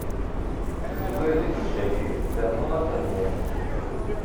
Zwir deg tacacit, ternuḍ aqelmun.